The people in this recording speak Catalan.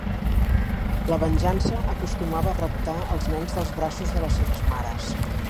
La Venjança acostumava a raptar els nens dels braços de les seves mares.